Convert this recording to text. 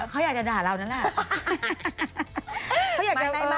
เขาอยากจะด่าเรานั่นแหละ